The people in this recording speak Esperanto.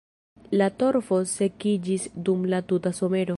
La torfo sekiĝis dum la tuta somero.